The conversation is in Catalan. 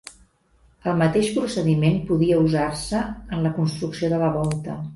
El mateix procediment podia usar-se en la construcció de la volta.